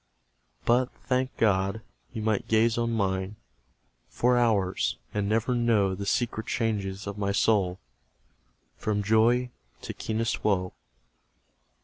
But, thank God! you might gaze on mine For hours, and never know The secret changes of my soul From joy to keenest woe.